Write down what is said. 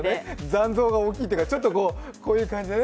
残像が大きいというか、こういう感じでね。